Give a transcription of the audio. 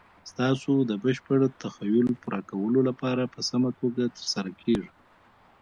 ستاسو د بشپړ تخیل پوره کولو لپاره په سمه توګه تر سره کیږي.